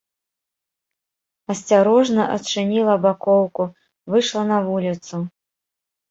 Асцярожна адчыніла бакоўку, выйшла на вуліцу.